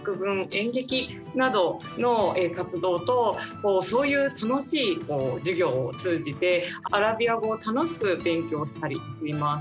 演劇などの活動とそういう楽しい授業を通じてアラビア語を楽しく勉強したりしています。